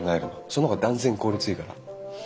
その方が断然効率いいから。